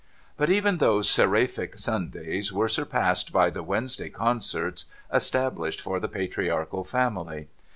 But, even those seraphic Sundays were surpassed by the Wednesday concerts established for the patriarchal family.